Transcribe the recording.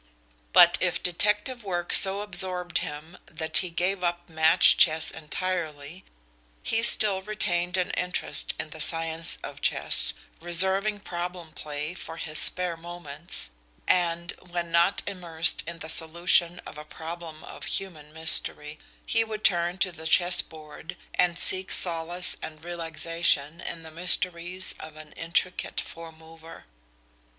But if detective work so absorbed him that he gave up match chess entirely, he still retained an interest in the science of chess, reserving problem play for his spare moments, and, when not immersed in the solution of a problem of human mystery, he would turn to the chessboard and seek solace and relaxation in the mysteries of an intricate "four mover."